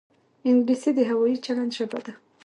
انګلیسي د هوايي چلند ژبه ده